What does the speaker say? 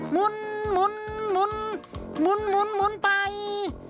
หมุนหมุนไป